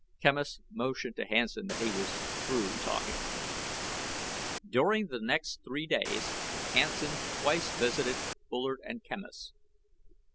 Quemos motioned to Hansen that he was through talking. During the next three days, Hansen twice visited Bullard and Quemos.